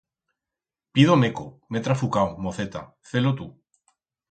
Pido meco, m'he trafucau, moceta, fe-lo tu.